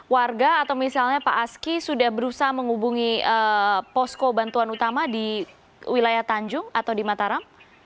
warga atau misalnya pak aski sudah berusaha menghubungi posko bantuan utama di wilayah tanjung atau di mataram